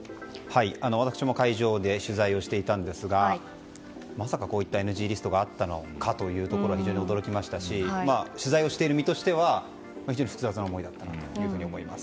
私も会場で取材をしていたんですがまさかこういったＮＧリストがあったのかというところは非常に驚きましたし取材をしている身としては非常に複雑な思いがあります。